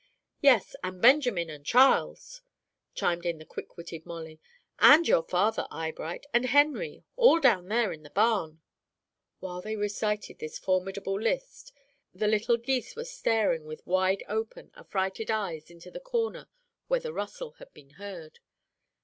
"Yes, and Benjamin and Charles," chimed in the quick witted Molly; "and your father, Eyebright, and Henry, all down there in the barn." While they recited this formidable list, the little geese were staring with wide open, affrighted eyes into the corner where the rustle had been heard.